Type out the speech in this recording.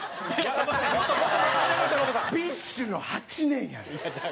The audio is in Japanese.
ＢｉＳＨの８年やで。